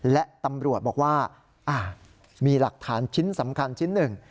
และตำรวจบอกว่ามีหลักฐานชิ้นสำคัญชิ้นหนึ่ง